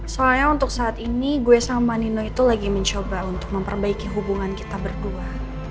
soalnya untuk saat ini gue sama nino itu lagi mencoba untuk memperbaiki hubungan kita berdua